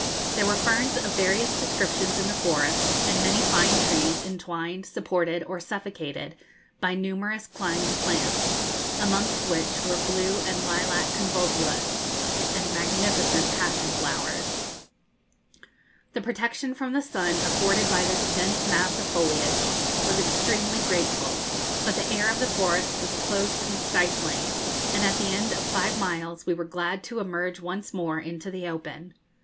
There were ferns of various descriptions in the forest, and many fine trees, entwined, supported, or suffocated by numerous climbing plants, amongst which were blue and lilac convolvulus, and magnificent passion flowers. The protection from the sun afforded by this dense mass of foliage was extremely grateful; but the air of the forest was close and stifling, and at the end of five miles we were glad to emerge once more into the open.